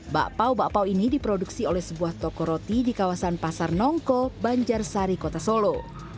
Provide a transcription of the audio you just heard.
bakpao bakpau ini diproduksi oleh sebuah toko roti di kawasan pasar nongko banjarsari kota solo